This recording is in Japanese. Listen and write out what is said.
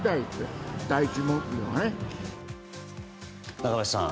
中林さん